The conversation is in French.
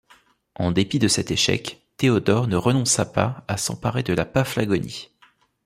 En dépit de cet échec, Théodore ne renonça pas à s’emparer de la Paphlagonie.